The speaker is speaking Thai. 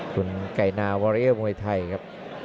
คุณไก่นาวอเรียมวยไทยครับ